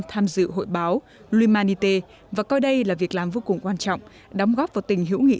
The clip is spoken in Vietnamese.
tham dự hội báo luy manite và coi đây là việc làm vô cùng quan trọng đóng góp vào tình hữu nghị